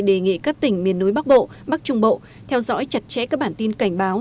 đề nghị các tỉnh miền núi bắc bộ bắc trung bộ theo dõi chặt chẽ các bản tin cảnh báo